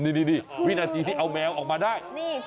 นี่วินาทีที่เอาแมวออกมาได้